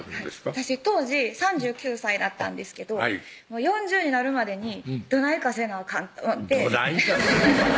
私当時３９歳だったんですけど４０になるまでにどないかせなあかんと思って「どないかせなあかん」